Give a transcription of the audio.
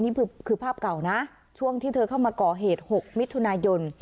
นี่คือภาพเก่านะช่วงที่เธอเข้ามาก่อเหตุ๖มิถุนายน